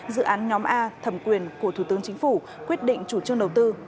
dự án nhóm a thầm quyền của thủ tướng chính phủ quyết định chủ trương đầu tư